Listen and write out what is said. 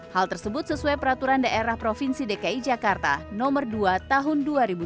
hal tersebut sesuai peraturan daerah provinsi dki jakarta no dua tahun dua ribu dua puluh